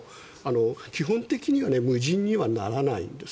基本的には無人にはならないんです。